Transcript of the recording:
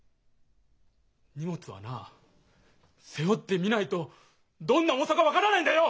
荷物はな背負ってみないとどんな重さか分からないんだよ！